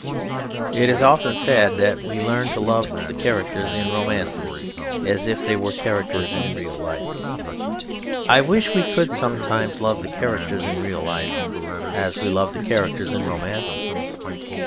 It is often said that we learn to love the characters in romances as if they were characters in real life. I wish we could sometimes love the characters in real life as we love the characters in romances.